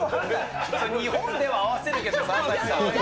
日本では合わせるけどさ。